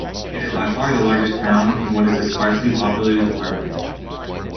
It is by far the largest town in what is a sparsely populated department.